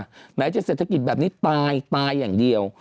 ไหนจะเศรษฐกิจแบบนี้ตายตายอย่างเดียว